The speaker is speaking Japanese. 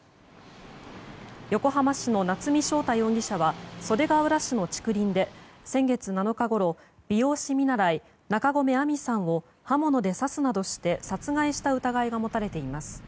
横浜市の夏見翔太容疑者は袖ケ浦市の竹林で先月７日ごろ美容師見習、中込愛美さんを刃物で刺すなどして殺害した疑いが持たれています。